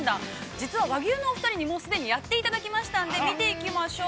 実は和牛のお二人のやっていただきましたので見ていきましょう。